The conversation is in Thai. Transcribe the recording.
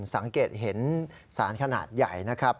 สังเกตเห็นสารขนาดใหญ่นะครับ